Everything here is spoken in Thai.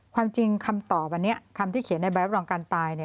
ความจริงคำตอบวันนี้คำที่เขียนในใบรับรองการตาย